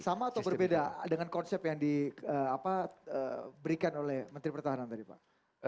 sama atau berbeda dengan konsep yang diberikan oleh menteri pertahanan tadi pak